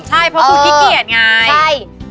ใช่เพราะคุณขี้เกียจ